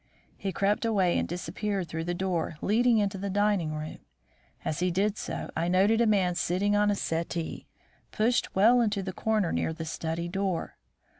he crept away and disappeared through the door leading into the dining room. As he did so, I noted a man sitting on a settee pushed well into the corner near the study door.